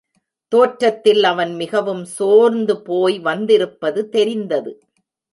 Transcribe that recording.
தோற்றத்தில் அவன் மிகவும் சோர்ந்து போய் வந்திருப்பது தெரிந்தது.